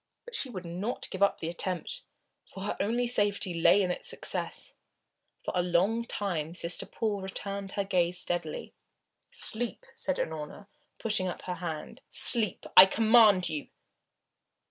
But she would not give up the attempt, for her only safety lay in its success. For a long time Sister Paul returned her gaze steadily. "Sleep!" said Unorna, putting up her hand. "Sleep, I command you!"